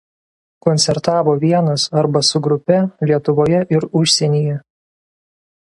Koncertavo vienas arba su grupe Lietuvoje ir užsienyje.